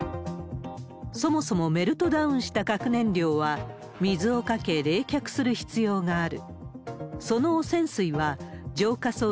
そもそもメルトダウンした核燃料は、水をかけ冷却する必要がある。